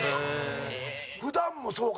普段も、そうか。